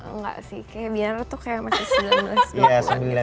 enggak sih kayak binar tuh masih sembilan belas dua puluh